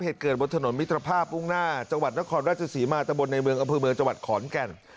เหตุเกิดบนถนนมิตรภาพมุ่งหน้าจังหวัดนครราชศรีมาตะบนในเมืองอำเภอเมืองจังหวัดขอนแก่น